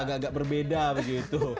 agak agak berbeda begitu